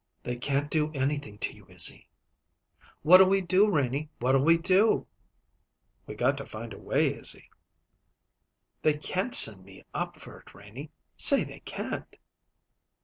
"They can't do anything to you, Izzy." "What'll we do, Renie? What'll we do?" "We got to find a way, Izzy." "They can't send me up for it, Renie say they can't!"